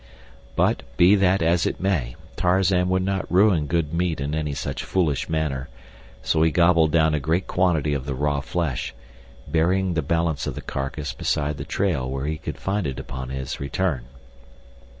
But, be that as it may, Tarzan would not ruin good meat in any such foolish manner, so he gobbled down a great quantity of the raw flesh, burying the balance of the carcass beside the trail where he could find it upon his return.